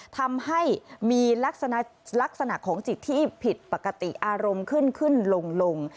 ทำให้มีลักษณะของจิตที่ผิดปกติอารมณ์ขึ้นขึ้นลง